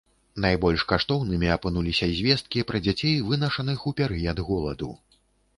Найбольш каштоўнымі апынуліся звесткі пра дзяцей, вынашаных у перыяд голаду.